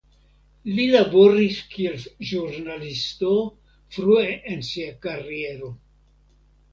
Li laboris kiel ĵurnalisto frue en sia kariero.